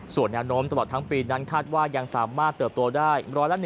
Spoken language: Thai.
ส่วนแนวโน้มตลอดทั้งปีนั้นคาดว่ายังสามารถเติบโตได้๑๐๑